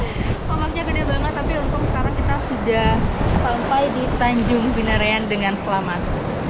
tapi untung sekarang kita sudah sampai di tanjung binerian dengan selamat